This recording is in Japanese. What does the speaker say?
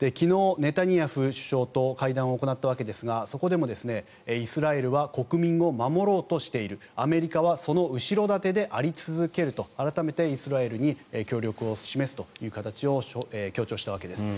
昨日、ネタニヤフ首相と会談を行ったわけですがそこでも、イスラエルは国民を守ろうとしているアメリカはその後ろ盾であり続けると改めてイスラエルに協力を示すという形を強調したわけです。